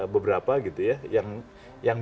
beberapa gitu ya yang